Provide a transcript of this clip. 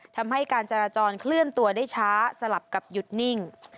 ทำให้การจราจรเคลื่อนตัวได้ช้าสลับกับหยุดนิ่ง